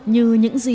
như những gì